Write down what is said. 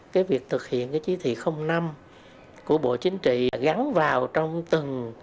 cái việc thực hiện cái chí thị năm của bộ chính trị gắn vào trong từng